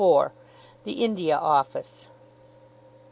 THE INDIA OFFICE.